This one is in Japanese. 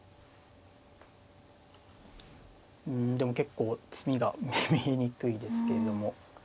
うんでも結構詰みが見えにくいですけれども。